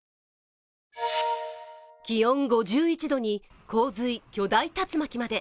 気温５１度に、洪水、巨大竜巻まで。